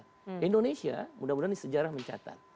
nah indonesia mudah mudahan di sejarah mencatat